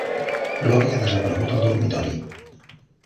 Gloria ha desaparegut al dormitori.